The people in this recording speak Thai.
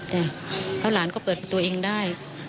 แต่หลานก็เปิดประตูเองได้